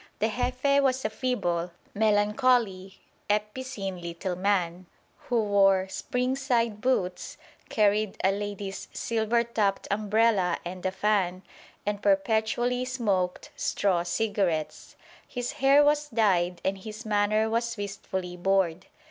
The Jefe was a feeble, melancholy, epicene little man, who wore spring side boots, carried a lady's silver topped umbrella and a fan, and perpetually smoked straw cigarettes. His hair was dyed and his manner was wistfully bored.